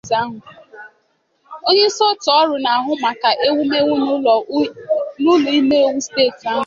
onyeisi òtù ọrụ na-ahụ maka ewumewu n'ụlọomeiwu steeti ahụ